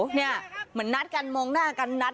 ในช่วงไฟเขียวเนี่ยเหมือนนัดกันมองหน้ากันนัด